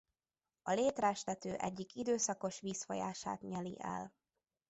A Létrás-tető egyik időszakos vízfolyását nyeli el.